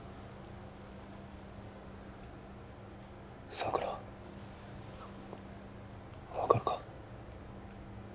佐倉分かるか？